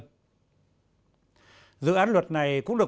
dự án luật này cũng được phát triển bằng các dự án luật